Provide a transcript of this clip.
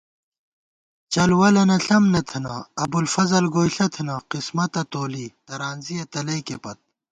چل ولَنہ ݪَم نہ تھنہ ، ابوالفضل گوئیݪہ تھنہ قِسمتہ تولی، ترانزِیہ تلَئیکے پت